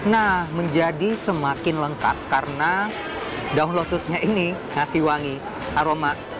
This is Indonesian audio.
nah menjadi semakin lengkap karena daun lotusnya ini ngasih wangi aroma